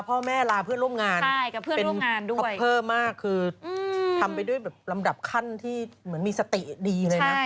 เกลิ่นของส่วนฉบับเดียวที่เราเห็นเมื่อกี้นี่